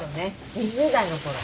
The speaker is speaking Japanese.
２０代のころ。